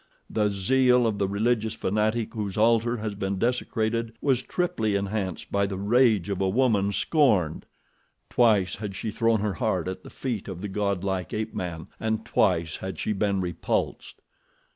The zeal of the religious fanatic whose altar has been desecrated was triply enhanced by the rage of a woman scorned. Twice had she thrown her heart at the feet of the godlike ape man and twice had she been repulsed.